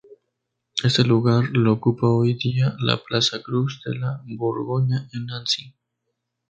Este lugar lo ocupa hoy día la Plaza Cruz de la Borgoña en Nancy.